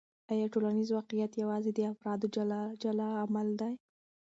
آیا ټولنیز واقعیت یوازې د افرادو جلا جلا عمل دی؟